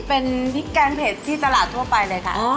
เป็นพริกแกงเผ็ดที่ตลาดทั่วไปเลยค่ะ